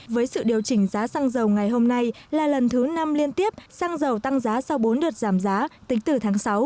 với sự điều chỉnh giá xăng dầu ngày hôm nay là lần thứ năm liên tiếp xăng dầu tăng giá sau bốn đợt giảm giá tính từ tháng sáu